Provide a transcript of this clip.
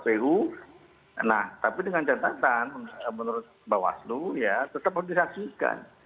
nah tapi dengan catatan menurut bawaslu ya tetap harus disaksikan